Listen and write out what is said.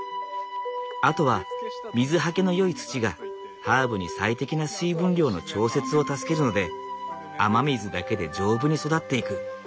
あとは水はけのよい土がハーブに最適な水分量の調節を助けるので雨水だけで丈夫に育っていく。